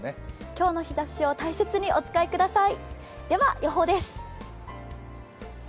今日の日ざしを大切にお使いください。